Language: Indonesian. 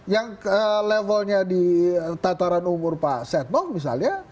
yang levelnya di tataran umur pak setnov misalnya